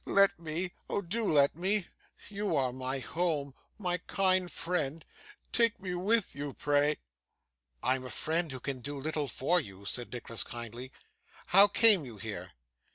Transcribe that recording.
'Let me, oh do let me. You are my home my kind friend take me with you, pray.' 'I am a friend who can do little for you,' said Nicholas, kindly. 'How came you here?